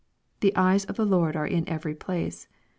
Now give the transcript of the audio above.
" The eyes of the Lord. are in every place."